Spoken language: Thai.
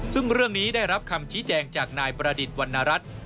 ซึ่งเรื่องนี้ได้รับคำชี้แจงจากนายประดิษฐ์วรรณรัฐ